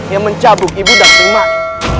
yang mencabuk ibu dantrimani